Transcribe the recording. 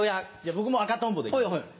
僕も赤とんぼで行きます。